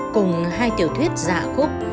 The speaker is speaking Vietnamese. cùng hai tiểu thuyết dạ khúc